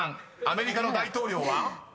アメリカの大統領は？］